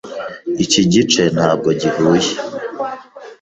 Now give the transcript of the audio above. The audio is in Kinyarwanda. Iki gice ntabwo gihuye.